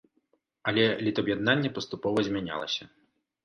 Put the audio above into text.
Але літаб'яднанне паступова змянялася.